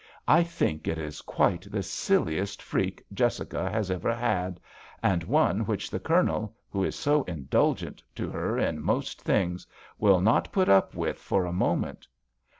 " I think it is quite the silliest freak Jessica has ever had, and one which the Colonel, who is so indulgent to her in most things, will not put up with for a moment."